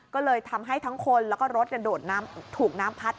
ก็เลยทำให้ทั้งคนแล้วก็รถถูกน้ำพัด